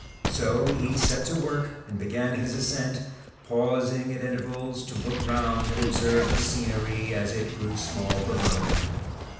So he set to work and began his ascent, pausing at intervals to look round and observe the scenery as it grew small below him.